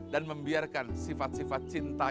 dan membiarkan sifat sifat cinta